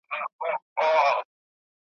يوه ورځ ابليس راټول كړل اولادونه ,